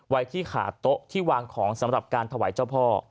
ไว้ที่ขาโต๊ะที่วางของสำหรับการถวายเจ้าพ่อ